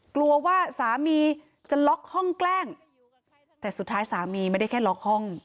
กลัวว่าสามีจะล็อกห้องแกล้งแต่สุดท้ายสามีไม่ได้แค่ล็อกห้อง